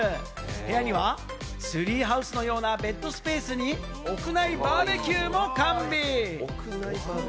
部屋にはツリーハウスのようなベッドスペースに屋内バーベキューも完備。